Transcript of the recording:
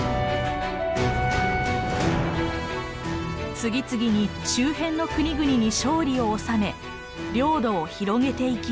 次々に周辺の国々に勝利を収め領土を広げていきます。